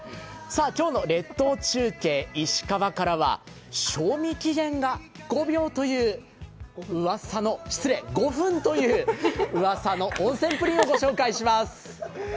今日の列島中継、石川からは賞味期限が５分といううわさの温泉プリンをご紹介します。